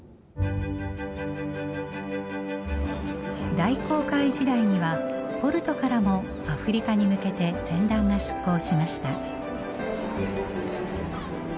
大航海時代にはポルトからもアフリカに向けて船団が出航しました。